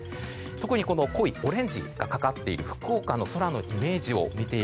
特に濃いオレンジかかかっている福岡の空のイメージ。